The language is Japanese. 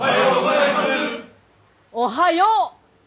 おはよう！